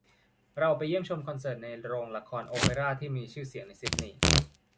เราไปเยี่ยมชมคอนเสิร์ตในโรงละครโอเปร่าที่มีชื่อเสียงในซิดนีย์